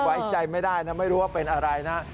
ไว้ใจไม่ได้นะไม่รู้ว่าเป็นอะไรนะ